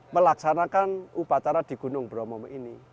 melaksanakan upacara di gunung bromo ini